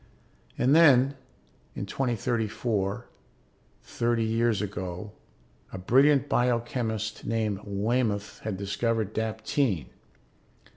And then, in 2034, thirty years ago, a brilliant biochemist named Waymoth had discovered daptine.